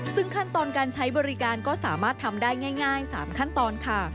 ซึ่งขั้นตอนการใช้บริการก็สามารถทำได้ง่าย๓ขั้นตอนค่ะ